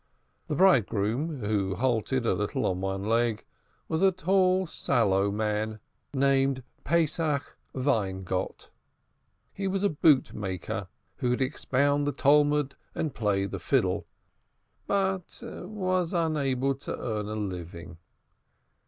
The bridegroom, who halted a little on one leg, was a tall sallow man named Pesach Weingott. He was a boot maker, who could expound the Talmud and play the fiddle, but was unable to earn a living.